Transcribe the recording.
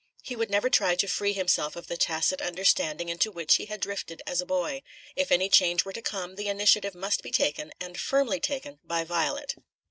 He would never try to free himself of the tacit understanding into which he had drifted as a boy; if any change were to come, the initiative must be taken, and firmly taken, by Violet.